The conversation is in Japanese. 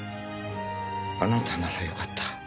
あなたならよかった。